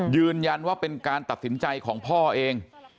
ยืนยันว่าเป็นการตัดสินใจของพ่อเอง